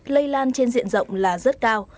lây lan trên diện rộng là rất cao